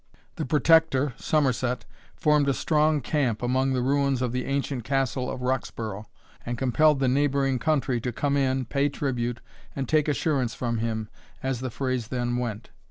The Protector, Somerset, formed a strong camp among the ruins of the ancient Castle of Roxburgh, and compelled the neighbouring country to come in, pay tribute, and take assurance from him, as the phrase then went.